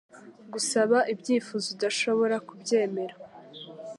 Gusaba Ibyifuzo udashobora kubyemera